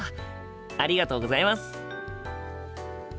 ありがとうございます。